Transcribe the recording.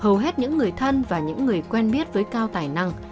hầu hết những người thân và những người quen biết với cao tài năng